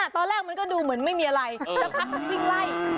ตอนแรกมันก็ดูเหมือนไม่มีอะไรสักพักมันวิ่งไล่